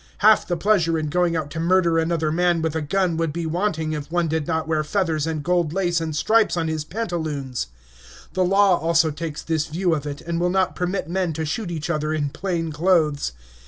Half the pleasure in going out to murder another man with a gun would be wanting if one did not wear feathers and gold lace and stripes on his pantaloons. The law also takes this view of it, and will not permit men to shoot each other in plain clothes.